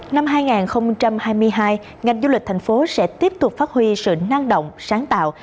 năm hai nghìn hai mươi hai ngành du lịch thành phố sẽ tiếp tục phát huy sự năng động sáng tạo